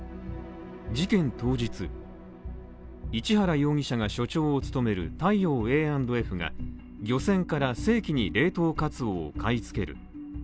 事件当日、市原容疑者が所長を務める大洋エーアンドエフが漁船から正規に冷凍カツオを買い付ける。